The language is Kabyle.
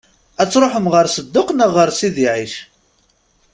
Ad tṛuḥem ɣer Sedduq neɣ ɣer Sidi Ɛic?